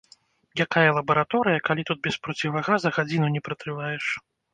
Якая лабараторыя, калі тут без процівагаза гадзіну не пратрываеш!